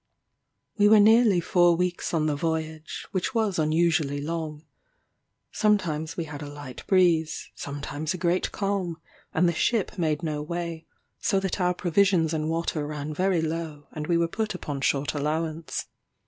We were nearly four weeks on the voyage, which was unusually long. Sometimes we had a light breeze, sometimes a great calm, and the ship made no way; so that our provisions and water ran very low, and we were put upon short allowance.